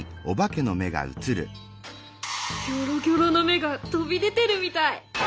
ギョロギョロの目が飛び出てるみたい！